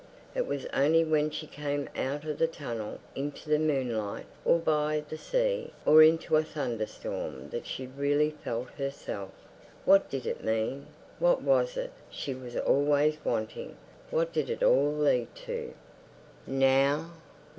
It was only when she came out of the tunnel into the moonlight or by the sea or into a thunderstorm that she really felt herself. What did it mean? What was it she was always wanting? What did it all lead to? Now?